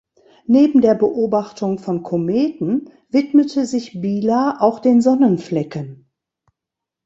Neben der Beobachtung von Kometen widmete sich Biela auch den Sonnenflecken.